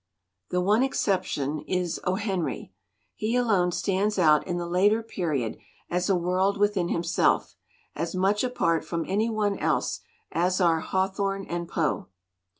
"The one exception is O. Henry. He alone stands out in the later period as a world within himself; as much apart from any one else as are Hawthorne and Poe."